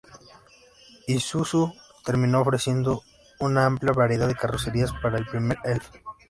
Isuzu terminó ofreciendo una amplia variedad de carrocerías para el primer Elf.